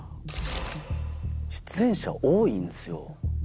出演者多いんですよ。